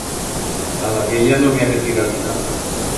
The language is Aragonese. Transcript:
A la viella no bi ha que tirar-li nada.